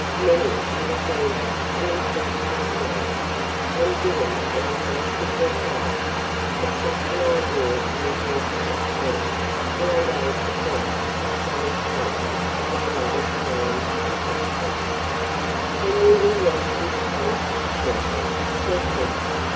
Many would have deemed it an impertinent one, and given an evasive reply; but such an idea never entered my head, and I gave a brief but plain statement of my mother's plans and prospects. "Then you will leave this place shortly?" said he.